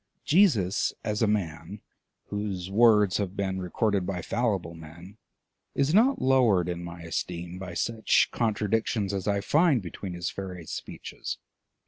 Jesus as a man, whose words have been recorded by fallible men, is not lowered in my esteem by such contradictions as I find between his various speeches.